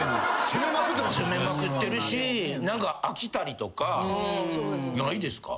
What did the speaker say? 攻めまくってるし飽きたりとかないですか？